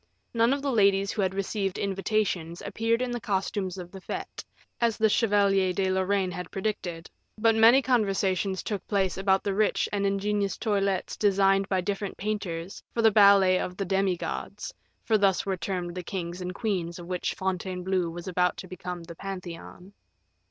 None of the ladies who had received invitations appeared in the costumes of the fete, as the Chevalier de Lorraine had predicted, but many conversations took place about the rich and ingenious toilettes designed by different painters for the ballet of "The Demi Gods," for thus were termed the kings and queens of which Fontainebleau was about to become the Pantheon.